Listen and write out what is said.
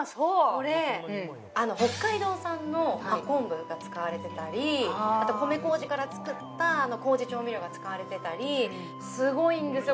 これ北海道産の真昆布が使われてたりあと米こうじから作ったこうじ調味料が使われてたりすごいんですよ